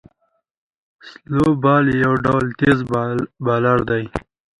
سلو بال یو ډول تېز بالر دئ.